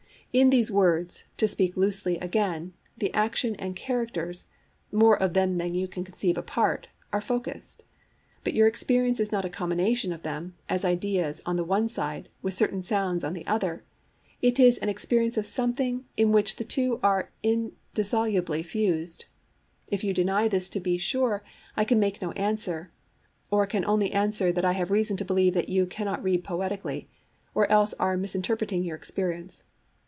In these words, to speak loosely again, the action and characters (more of them than you can conceive apart) are focussed; but your experience is not a combination of them, as ideas, on the one side, with certain sounds on the other; it is an experience of something in which the two are indissolubly fused. If you deny this, to be sure I can make no answer, or can only answer that I have reason to believe that you cannot read poetically, or else are misinterpreting your experience.